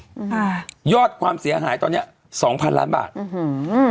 ค่ะยอดความเสียหายตอนเนี้ยสองพันล้านบาทอื้อหือ